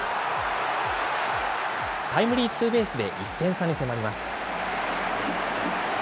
タイムリーツーベースで１点差に迫ります。